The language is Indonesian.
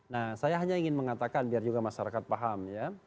nah saya hanya ingin mengatakan biar juga masyarakat paham ya